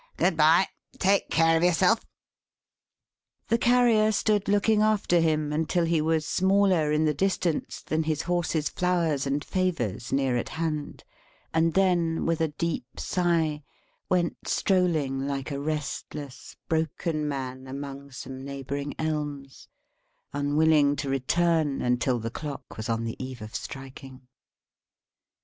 Good bye! Take care of yourself." The Carrier stood looking after him until he was smaller in the distance than his horse's flowers and favours near at hand; and then, with a deep sigh, went strolling like a restless, broken man, among some neighbouring elms; unwilling to return until the clock was on the eve of striking.